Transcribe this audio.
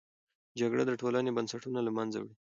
جګړه د ټولنې بنسټونه له منځه وړي.